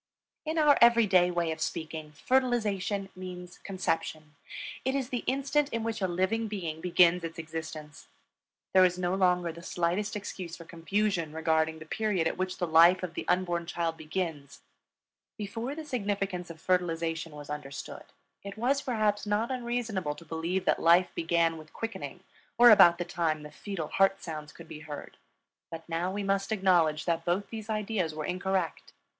In our every day way of speaking, fertilization means conception; it is the instant in which a living being begins its existence. There is no longer the slightest excuse for confusion regarding the period at which the life of the unborn child begins. Before the significance of fertilization was understood, it was perhaps not unreasonable to believe that life began with quickening or about the time the fetal heart sounds could be heard. But now we must acknowledge that both these ideas were incorrect.